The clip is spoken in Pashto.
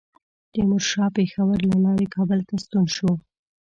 تیمورشاه پېښور له لارې کابل ته ستون شو.